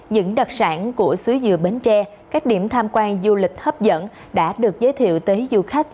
những đặc sản của xứ dừa bến tre các điểm tham quan du lịch hấp dẫn đã được giới thiệu tới du khách